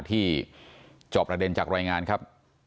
จอบประเด็นจากรายงานครับ